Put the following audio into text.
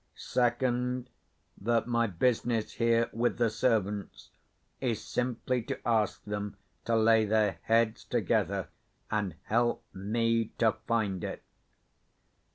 Second, that my business here with the servants is simply to ask them to lay their heads together and help me to find it."